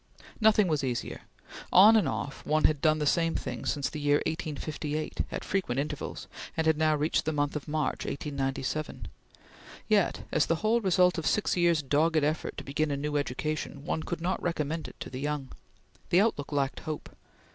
Nothing was easier! On and off, one had done the same thing since the year 1858, at frequent intervals, and had now reached the month of March, 1897; yet, as the whole result of six years' dogged effort to begin a new education, one could not recommend it to the young. The outlook lacked hope.